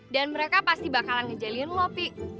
dan mereka pasti bakalan ngejailin lo pi